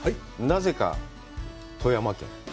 なぜか富山県。